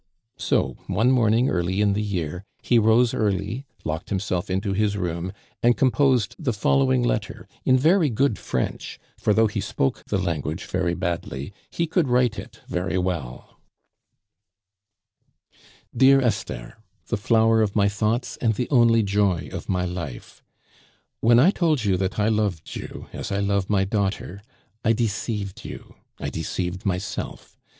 So one morning early in the year he rose early, locked himself into his room, and composed the following letter in very good French; for though he spoke the language very badly, he could write it very well: "DEAR ESTHER, the flower of my thoughts and the only joy of my life, when I told you that I loved you as I love my daughter, I deceived you, I deceived myself.